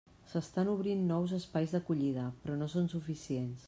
S'estan obrint nous espais d'acollida, però no són suficients.